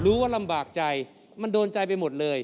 รู้ว่าลำบากใจมันโดนใจไปหมดเลย